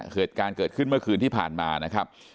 เหตุการณ์เกิดขึ้นเมื่อคืนที่ผ่านมานะครับ